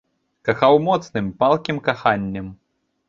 Кахаў моцным, палкім каханнем.